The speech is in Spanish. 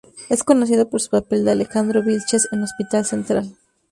Es conocido por su papel de "Alejandro Vilches" en Hospital Central.